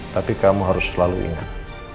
tapi kamu harus selalu ingat